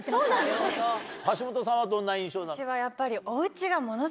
橋本さんはどんな印象なの？